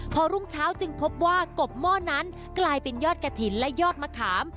พอรุ่งเช้าจึงพบว่ากบหม้อนั้นกลายเป็นยอดกระถิ่นและยอดมะขาม